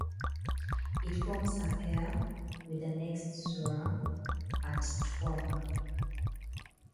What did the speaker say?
It forms a pair with the next sura, At-Tawba.